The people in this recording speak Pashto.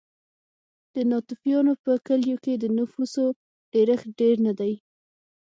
د ناتوفیانو په کلیو کې د نفوسو ډېرښت ډېر نه دی.